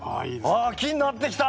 あっ木になってきた！